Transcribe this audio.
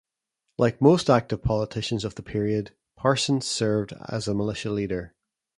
Like most active politicians of the period, Parsons served as a militia leader.